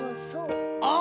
あっ！